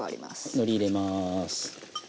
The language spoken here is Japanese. のり入れます。